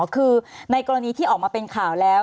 คือในกรณีที่ออกมาเป็นข่าวแล้ว